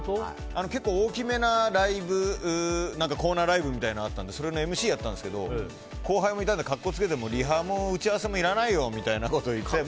結構、大きめなライブコーナーライブみたいなのがあってそれのＭＣをやったんですけど後輩もいたので格好つけて、リハも打ち合わせもいらないよみたいなこと言って。